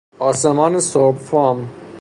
آسمان سرب فام